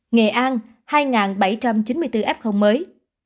nghệ an hai bảy trăm chín mươi bốn f mới